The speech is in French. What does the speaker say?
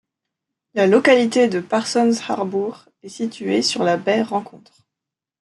La localité de Parsons Harbour est située sur la baie Rencontre.